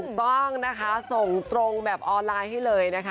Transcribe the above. ถูกต้องนะคะส่งตรงแบบออนไลน์ให้เลยนะคะ